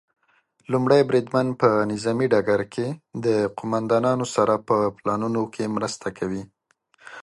لومړی بریدمن په نظامي ډګر کې د قوماندانانو سره په پلانونو کې مرسته کوي.